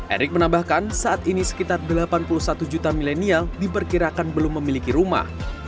erick menambahkan saat ini sekitar delapan puluh satu juta milenial diperkirakan belum memiliki rumah